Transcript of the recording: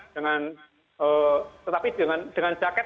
dengan tetapi dengan jaket